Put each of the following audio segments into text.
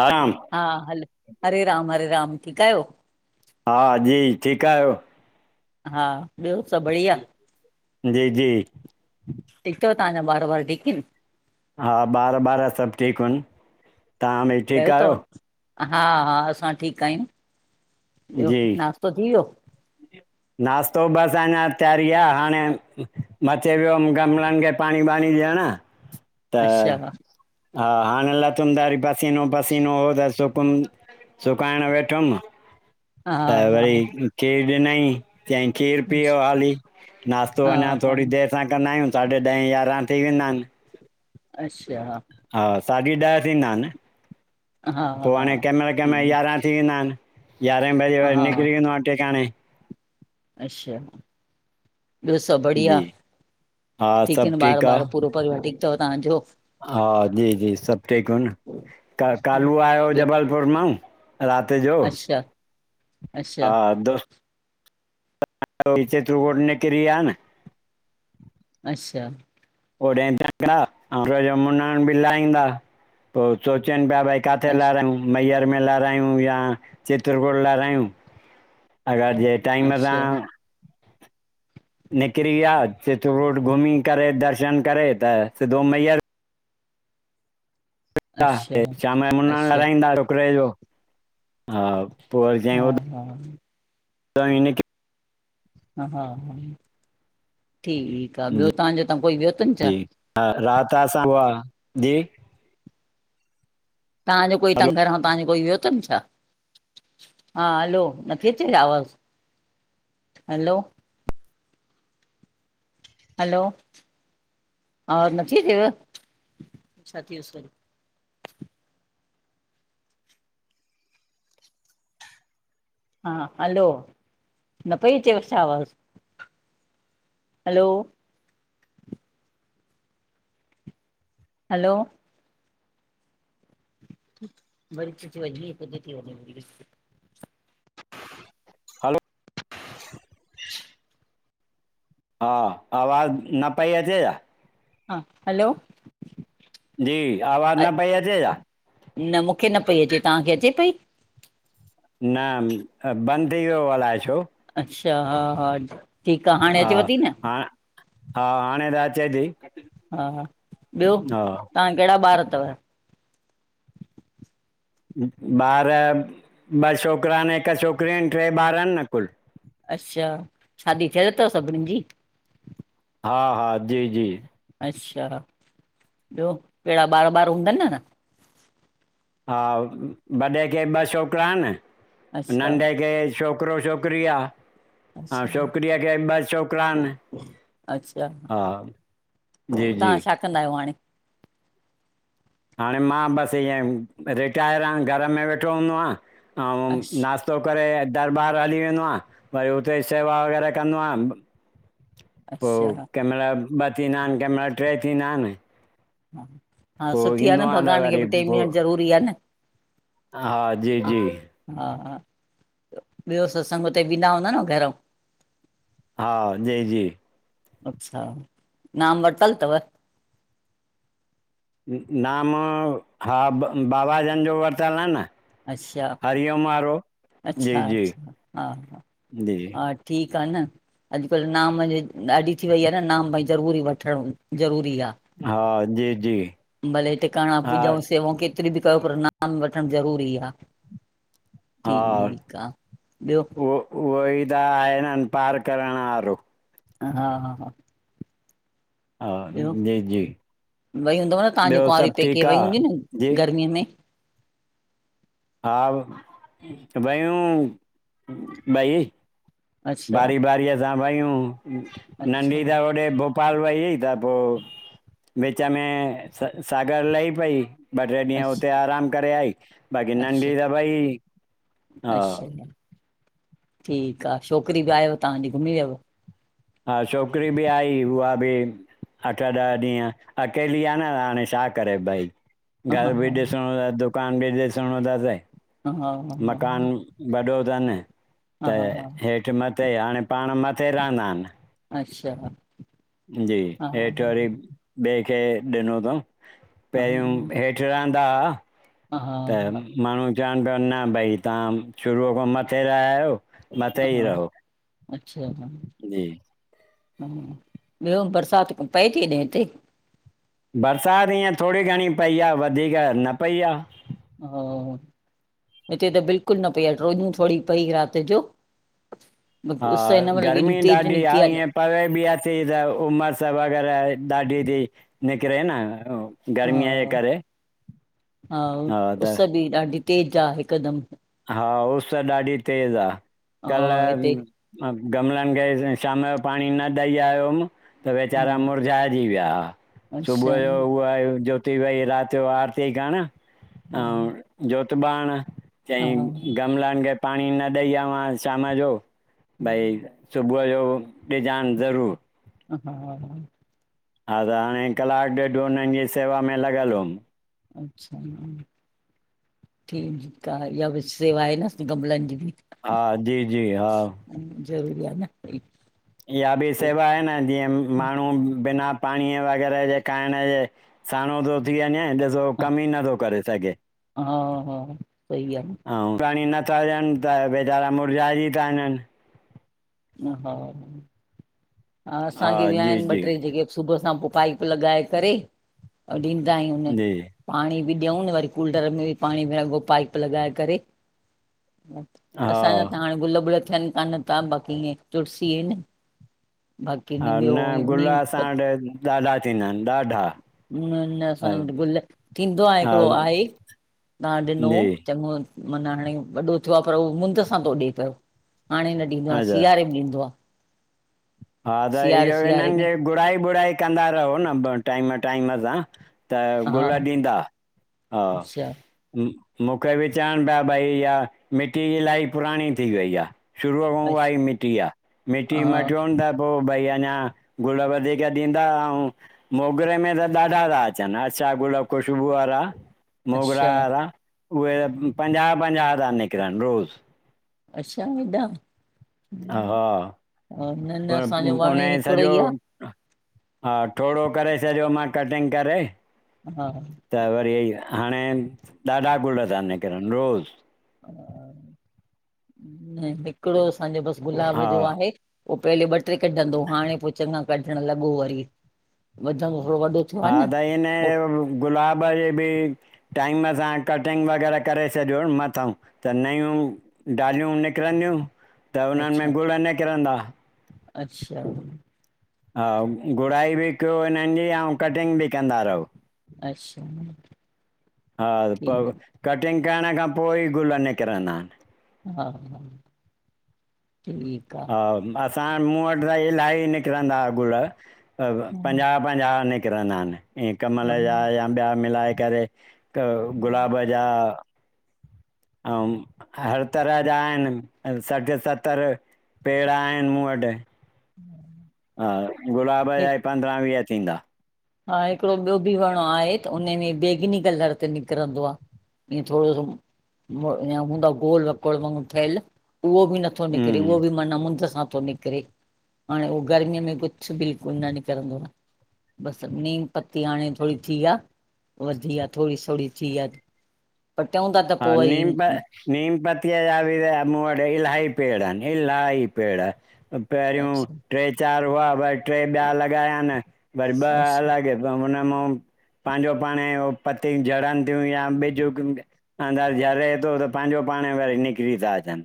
आराम हा हलो हरे राम हरे राम ठीकु आयो हा जी ठीकु आहियो हा ॿियो सभु बढ़िया जी जी टिक तव तव्हांजा बार बार ठीक इन। हा ॿार वार सभु ठीक इन तव्हां बि कयो ठीक अथव आयो हा हा असां ठीकु आयूं ॿियो जी नाास्तो थी वियो नाश्तो बस अञा तयारी आहे हाणे मथे वियो हुमि गमलनि खे पाणी ॿाणी [unintelligible] अच्छा हा हाणे लथम त पसीनो पसीनो हो त सुकम सुकाइण वेठमि त हा वरी इ खीर ॾिनई चईं खीर हा पीओ हाली नश्तो अञा हा थोरी देर सां कंदा आयूं। साढे ॾहें यारहां थी वेंदा आनि अच्छा हा साढी ॾह थींदा अन हा पोइ हा हाणे के मल कें मल ठीकु यारहां थी वेंदा आहिनि। यारहें बजे वरी निकरी वेंदो आं टेिकाणे अशा ॿियो सभु बढ़िया जी हा ठीक सभु आइनि ॿार ठीकु ॿार आहे पूरो परिवार ठीक तव तव्हांजो। हा जी जी सभु ठीकु अन त कालू आयो हो ॿियो जबलपुर मां राति जो अच्छा अच्छा हा दो [unintelligible] निकरी विया न अच्छा ओडे [unintelligible] बि लाहींदा पो सोचनि पिया भई काथे अछ लारायूं मैयर में लारायूं या चित्रकुट लारायूं। अगरि जे टाइम सां अच्छा निकरी विया सित रोड घुमी करे दर्शन करे त सिधो मैयर। अचा अच्छा ते शाम जो मुनणु अच्छा लगाईंदा छोकिरे जो हा। हा हा ज इन के। हा हा हा ठीकु आ जी ॿियो तव्हांजो इतां कोई वयो तन छा त असां वा जी तव्हांजे कोई इतां हलो घरां तव्हजो कोई वियो तनि छा। हा हलो नथी अचे छा आवाज़ हलो हलो आवाज नथी अचेव हा हलो न पई अचेव छा आवाज। हलो हलो [inaudible] हलो हा आवाज न पई अच या। हा हलो जी आवाज न पई अचे छा। न मुखे न पई अचे तव्हांखे अचे पई न बंदि अ यो अलाए छो। अच्छा हा ठीकु आ हाणे हा अचेव थी न हा हा हाणे त अचे थी हा ॿियो हा तव्हां गड़ा ॿार तव ॿार ॿ छोकिरा आनि हिकु छोकिरी आनि टे ॿार आनि न कुल। अच्छा शादी थेल थव सभिनि जी हा, हा, जी, जी अच्छा ॿियो केड़ा ॿार-ॿार हूंदनि न हा, वॾे खे ॿ छोकिरा आहिनि, अच्छा नंढे खे छोकिरो छोकिरी आ अच्छा अंउ छोकिरीअ खे ॿ छोकिरा अन अच्छा हा जी जी तव्हां छा कंदा आहियो हाणे? हाणे मां बसि ईअं रिटायर आहियां घर में वेठो हूंदो आं अंउं अछ नास्तो करे दरॿारि हली वेंदो आं वरी हुते सेवा वग़ैरह कंदो आं पो अच्छा हा कंहिं महिल ॿ थींदा आहिनि कंहिं महिल ट्रे थींदा आहिनि हा, हा पोइ सुठी आ ईंदो न, आहियां त भॻवान खे वरी बि टेम पोइ ॾियणु ज़रूरी आ न हा, जी हा जी हा हा ॿियो सत्संग उते वेंदा हूंदा न, घरऊ। हा, जी जी अच्छा, नाम वरतल तव? नाम, हा बाबाजन जो वरितलु आ न अच्छा हरिओम, आरो अच्छा अच्छा, हा हा जी हा ठीकु आ न, अॼुकल्ह नाम जे ॾाढी थी वई आ न, नाम भई ज़रूरी वठणो ज़रूरी आ। हा जी जी भले टिकाणा हा पूजाऊ सेवाऊ के कतरी बि कयो, पर नाम वठण ज़रूरी आ। हा, उहो उहो ई [unintelligible] पार करणु वारो। हा हा हा हा, ॿियो जी जी वई हूंदव न, तव्हांजी ॿियो कुंआारी सभु पेके ठीकु वेई हूंदी न आहे जी गर्मीअ में? हा वयूं ॿई। अच्छा बारी बारीअ अ सां भयूं, अच्छा नंढी त होॾे पपाल वईीई त पोइ विच में सागर लही पई ॿ टे ॾींहं अछ हुते आरामु करे आई बाक़ी अच्छा नंढी त भई हा अच्छा ठीकु आहे छोकिरी बि आयव तव्हांजी घुमी वियव हा छोकिरी बि आई उहा बि अठ ॾह ॾींहं अकेली आहे न हाणे छा करे भई हा हा घर बि हा ॾिसणो थ दुकान बि ॾिसणो तास हा मकानु हा वॾो अथनि त हा हा हेठि मथ उते हाणे पाण मथे रहंदा आहिनि अच्छा जी हा हेठि वरी ॿिए खे ॾिनो अथऊं हा पहिरियोूं हेठि रहंदा हुआ। हा त हा माण्हू चवनि पिया न भई तव्हां शुरूअ खां मथे रहिया आहियो मथे ई रहो अछा ह जी ह ॿियो बरसाति पई थी ने हिते बरसाति ईअं थोरी घणी पई आहे वधीक न पई आहे। हा हिते त बिल्कुलु न पई आहे टोॾींूं थोरी पई राति जो हा उस हिन महिल बि एॾी गर्मी तेज ॾाढी निकिती आहे ईअं पवे बि थीी त उमिरि वग़ैरह दाढी थी निक रह न हा गर्मीअ जे करे हा उस बि ॾाढी तेज आहे हिकदमि हा उस त ॾाढी तेज़ आहे हा हिते कल्ह गमलनि खे शाम जो पाणी न ॾई आयो हूम त हा वेचारा मुरझाइजी विया अच्छा सुबुह जो उहा ती वई राति जो आरती करणु हा अंउं जोयोति बाण हा चईं गमलनि खे पाणी न ॾई आवां शाम जो भई सु सुबुह जो ॾीजानि ज़रूरु हा हा त हाणे कलाकु ॾेढ हुननि जी सेवा में लॻियलु हुउमि अच्छा ठीकु ठु आहे इहा बि सेवा आहे न गमलनि जी बि हा, जी, जी, हा ज़रूरी आ न भई इहा बि सेवा आहे न जीअं माण्हू बिना पाणीअ वग़ैरह जे खाइण जे साणो थो थी वञे ॾिसो हा कमु ई नथो करे सघे। हा, हा सही आहे हा हा ऐं पाणी नथा ॾियनि त वेचारा मुर्झाइजी था वञनि हा, हा असांखे बि जी आहिनि ॿ, जी ट्रे जेके सुबुह सां पो पाइप लॻाए करे अंउं ॾींदा आहियूंनि जी पाणी बि ॾियऊ वरी कूलर में पाणी पाइप लॻाए करे हा असांजा त हाणे गुल, बुल थियनि कान था बाक़ी ईअं तुलसी एन बाक़ी हा नी ॿियो न गुल नीम प असां वटि ॾाढा थींदा आहिनि ॾाढा न, न हा असांज गुल थींदो आहे हा हिकिड़ो आहे तां ॾिनो जी चङो मना हाणे वॾो थियो आ पर हू मुंद सां थो ॾे पियो हाणे न ॾींदो आ अच्छा सियारे में ॾींदो आ हा त हिअ सियारे हिननि में खे गुड़ाई-बुड़ाई कंदा रहो न ब टाईम, टाईम सां त हा गुल ॾींदा हा अच्छा हू मूंखे बी चवनि पिया भई इहा मिटी इलाही पुराणी थी वई आहे शुरूअ खों उहा अच्छा ई मिटी आ, मिटी हा मटयोनि त पो भई अञा गुल वधीक ॾींदा अंउं मोगरे में त ॾाढा था अचनि अछा गुल ख़ुशबू वारा मोगरा अच्छा वारा उहे पंजाह पंजाहु था निकरण रोज़ अचछा हेॾा हा न न पोइ असांजो वण उनजे हिकिड़ो सॼो ई आहे हा ठोड़ो करे छॾियो मा कटिंग करे, त वरी हेइआ हाणे ॾाढा गुल था निकिरनि रोज़ न हिकिड़ो असांजो बस गुलाब हा जो आहे ओ पहले ॿ, ट्रे कढंदो हाणे पो चङा कढणु लॻो वरी, वधं हा त हिन गुलाब जे बि टाईम तां कटिंग वग़ैरह करे छॾियो न मथओं त नयूं डालियूं निकिरंदियूं त हुननि अच्छा में गुल निकिरंदा अच्छा हा घुड़ाई बि कयो हिननि जी ऐं कटिंग बि कंदा रहो अच्छा हा पो ठीकु कटिंग करण खां पोइ गुल निकिरंदा आहिनि हा हा ठीकु आहे हा असां मूं वटि त इलाही निकिरंदा गुल हा पंजाह, पंजाह निकिरंदा आहिनि। ईंअ कमल हा जा या ॿिया मिलाए करे गुलाब जा अंउं हर तरह जा आहिनि सठि, सतरि पेड़ आहिनि मूं वटि हूं हा गुलाब जा ई पंद्रहां, वीह थींदा। हा हिकिड़ो ॿियो बि वण आहे त उने में बेगिनी कलर ते निकिरंदो आ ईअ थोरोसो, प अञा हूंदा गोल वकोड़ व ठहल। उहो बि नथो निकिरे, हम्म उहो बि माना मुंदसि। हा पो निकिरे, हाणे हो गर्मीअ में कुझु बिल्कुलु न निकिरंदो आ। बसि नीम पती हाणे थोरी थी आ, वधी आ थोरी थोरी थी आ। पटियूं था त हा पो वरी नीम प नीम पति जया भी इ मूं वट इलाही। पेड़ आहिनि इलाही पेड़, पहिरियूं अच्छा टे चार हुआ बट टे ॿिया लॻाया आहिन, वरी ॿ अच्छा अलॻि सो हुन मोम पांजो पाणे हो पतिय झड़नदियूं या बिज अंदाज जरे थो त, पांजो पाण वरी निकिरी था अचनि।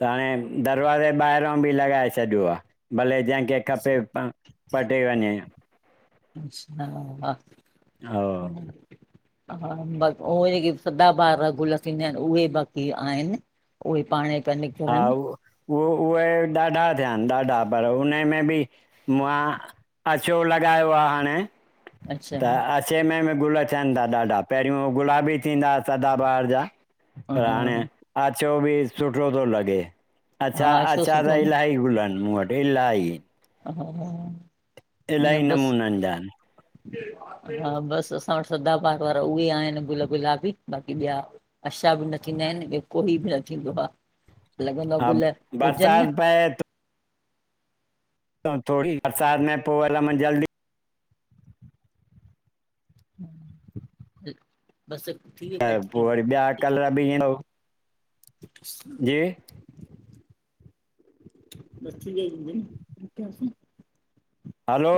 त हाणे दरवाजे ॿाहिरां बि लॻाए छॾियो आ भले। जंहिंखे खपे प पटे वञे। अच्छा हा हा। हा बस उहे जेके सदाॿार गुल थींदा आहिनि, उहे बाक़ी आहिनि। उहेई पाणई प्या हा निकरनि। उहो, उहे ॾाढा थियानि ॾाढा पर उनमें बि मां। अचो लॻायो आहे हाणे। अच्छा त अछे मे बि गुल अचन था ॾाढा, पहिरियो गुलाब बि थींदा हा सदाबार जा। पर हाणे, हा अचो बि सुठो थो लॻे। अच्छा, हा छो अच्छा सुठो त न इलाही गुल आहिनि मूं वटि इलाही। हा हा। न इलही बसि नमूननि जा आहिनि। हा बसि असां वटि सदाबार वारा उहे आहिनि, गुल गुलाबी बाक़ी ॿिया। सब न थींदा आहिनि, कोई बि न थींदो आ। लॻंदो हा गुल हुजनि न। बरसाति त थोरी बरसात में पो हल म जल्दी [inaudible] बस। त पो वरी ॿिया कलर बि इंगो। िस्त [inaudible] बची वई हूंदी। हलो।